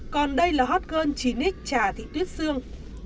còn đây là hot girl chí nít trà thị tuyết sương